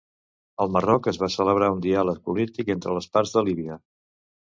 Al Marroc es va celebrar un diàleg polític entre les parts de Líbia.